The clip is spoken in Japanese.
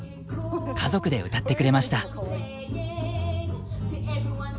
家族で歌ってくれました。